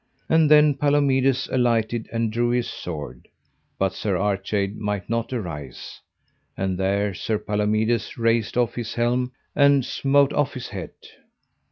And then Palomides alighted and drew his sword, but Sir Archade might not arise; and there Sir Palomides raced off his helm, and smote off his head.